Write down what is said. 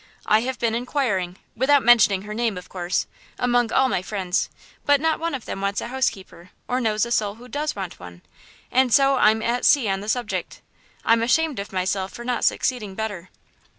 I have been inquiring–without mentioning her name, of course–among all my friends, but not one of them wants a housekeeper or knows a soul who does want one; and so I am 'at sea on the subject.' I'm ashamed of myself for not succeeding better."